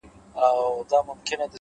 زموږ څه ژوند واخله;